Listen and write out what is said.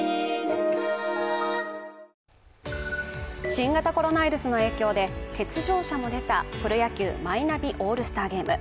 新型コロナウイルスの影響で欠場者も出たプロ野球マイナビオールスターゲーム。